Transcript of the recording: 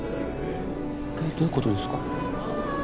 どういう事ですか？